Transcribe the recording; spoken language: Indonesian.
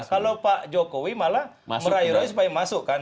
kalau pak jokowi malah merayu rayu supaya masuk kan